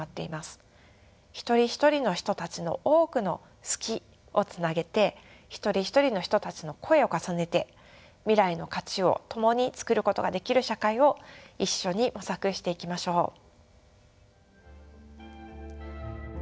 一人一人の人たちの多くの「好き」をつなげて一人一人の人たちの声を重ねて未来の価値を共に創ることができる社会を一緒に模索していきましょう。